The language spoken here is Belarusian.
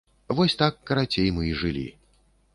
Вось так, карацей, мы і жылі.